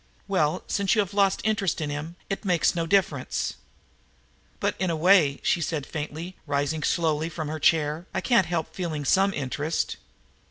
"Well, since you have lost interest in him, it makes no difference." "But in a way," she said faintly, rising slowly from her chair, "I can't help feeling some interest."